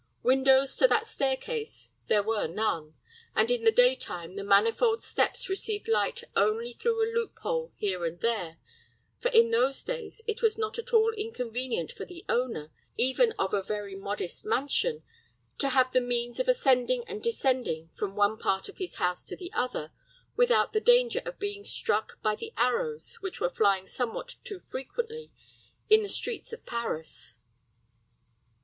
Windows to that stair case there were none, and in the daytime the manifold steps received light only through a loophole here and there; for in those days it was not at all inconvenient for the owner, even of a very modest mansion, to have the means of ascending and descending from one part of his house to the other, without the danger of being struck by the arrows which were flying somewhat too frequently in the streets of Paris.